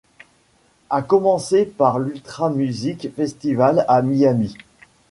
À commencer par l'Ultra Music Festival à Miami.